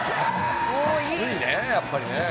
熱いねやっぱりね。